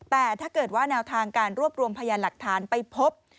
แต่ถ้าเกิดว่าแนวทางการรวบรวมพยานหลักฐานไปพบ